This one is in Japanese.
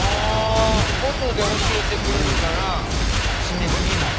音で教えてくれるから締め過ぎないと。